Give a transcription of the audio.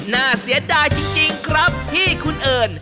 น่าเสียดายจริงครับพี่คุณเอิญ